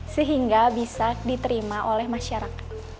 sehingga bisa diterima oleh masyarakat